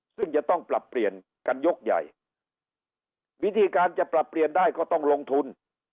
ซึ่งจะต้องปรับเปลี่ยนกันยกใหญ่วิธีการจะปรับเปลี่ยนได้ก็ต้องลงทุน